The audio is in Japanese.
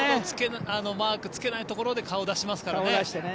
マーク、つけないところに顔を出しますからね。